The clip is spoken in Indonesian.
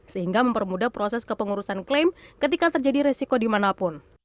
sehingga mempermudah proses kepengurusan klaim ketika terjadi resiko dimanapun